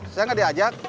saya nggak diajak